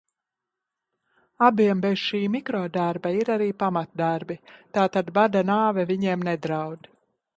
Abiem bez šī mikrodarba ir arī pamatdarbi, tātad bada nāve viņiem nedraud.